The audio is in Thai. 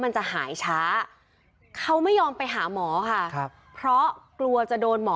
มันจะหายช้าเขาไม่ยอมไปหาหมอค่ะครับเพราะกลัวจะโดนหมอ